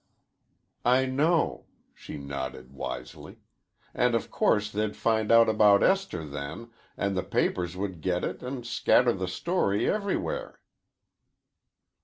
"I know," she nodded wisely, "and of course they'd find out about Esther then and the papers would get it and scatter the story everywhere."